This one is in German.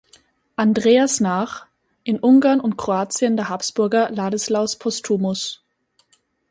Andreas nach, in Ungarn und Kroatien der Habsburger Ladislaus Postumus.